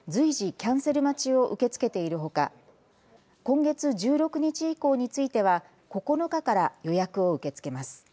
キャンセル待ちを受け付けているほか、今月１６日以降については９日から予約を受け付けます。